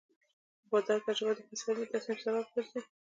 د بازار تجربه د ښه تصمیم سبب ګرځي.